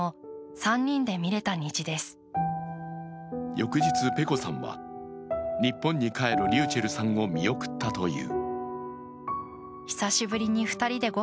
翌日、ｐｅｃｏさんは日本に帰るｒｙｕｃｈｅｌｌさんを見送ったという。